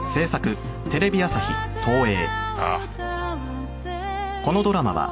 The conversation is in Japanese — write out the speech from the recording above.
ああ。